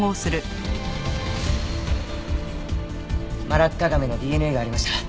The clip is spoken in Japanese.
マラッカガメのＤＮＡがありました。